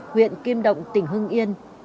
huyện kim động tỉnh hưng yên